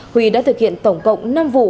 quy đã thực hiện tổng cộng năm vụ